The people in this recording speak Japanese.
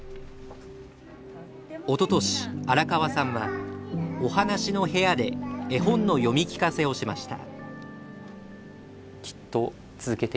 おととし荒川さんはおはなしのへやで絵本の読み聞かせをしました。